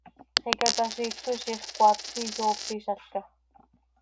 Xicaquiziil coi ziix coaatjö iyoopizalca.